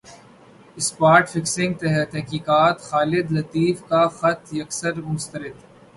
spot fixing تحقیقات خالد لطیف کا خط یکسر مسترد